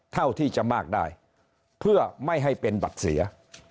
เท่าที่จะมากได้เพื่อไม่ให้เป็นบัตรเสีย